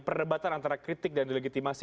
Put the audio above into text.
perdebatan antara kritik dan delegitimasi